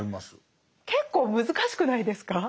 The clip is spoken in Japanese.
結構難しくないですか？